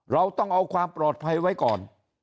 เราต้องเอาความปลอดภัยไว้ก่อน